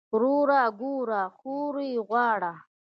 ورور ئې ګوره خور ئې غواړه